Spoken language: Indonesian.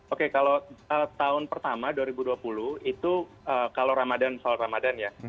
oke kalau tahun pertama dua ribu dua puluh itu kalau ramadan soal ramadan ya